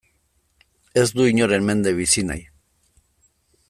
Ez du inoren mende bizi nahi.